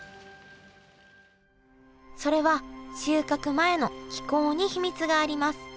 それは収穫前の気候に秘密があります。